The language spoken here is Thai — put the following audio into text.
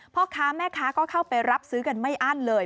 พ่อค้าแม่ค้าก็เข้าไปรับซื้อกันไม่อั้นเลย